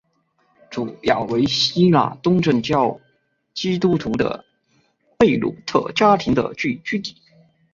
主要为希腊东正教基督徒的贝鲁特家庭的聚居地。